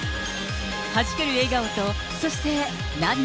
はじける笑顔とそして、涙。